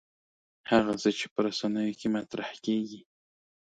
هغه څه چې په رسنیو کې مطرح کېږي.